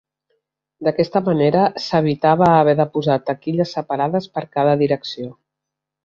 D'aquesta manera s'evitava haver de posar taquilles separades per cada direcció.